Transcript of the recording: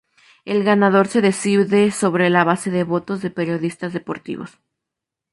El ganador se decide sobre la base de votos de periodistas deportivos.